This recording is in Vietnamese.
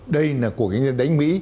đây là cuộc đánh mỹ